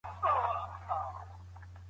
په ماشین کې د کتاب سرپاڼه سمه سوه.